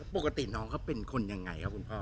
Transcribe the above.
ปกติน้องเขาเป็นคนยังไงครับคุณพ่อ